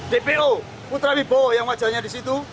dpo putra wibowo yang wajahnya di situ